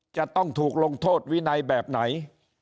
จะต้องถูกลงโทษวินัยแบบไหน